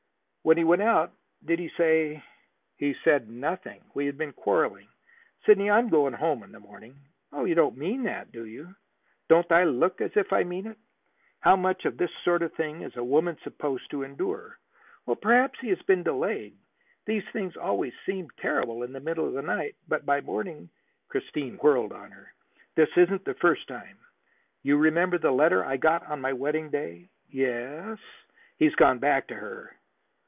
"When he went out did he say " "He said nothing. We had been quarreling. Sidney, I am going home in the morning." "You don't mean that, do you?" "Don't I look as if I mean it? How much of this sort of thing is a woman supposed to endure?" "Perhaps he has been delayed. These things always seem terrible in the middle of the night, but by morning " Christine whirled on her. "This isn't the first time. You remember the letter I got on my wedding day?" "Yes." "He's gone back to her."